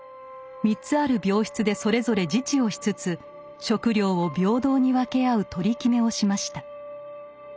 ３つある病室でそれぞれ自治をしつつ食料を平等に分け合う取り決めをしました。